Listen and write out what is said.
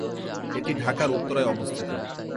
এটি ঢাকার উত্তরায় অবস্থিত।